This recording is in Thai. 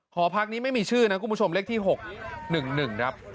หอพักนี้ไม่มีชื่อนะคุณผู้ชมเลขที่๖๑๑ครับ